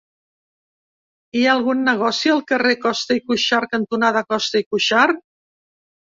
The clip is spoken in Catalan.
Hi ha algun negoci al carrer Costa i Cuxart cantonada Costa i Cuxart?